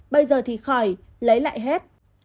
bây giờ thì khỏi lấy lại hết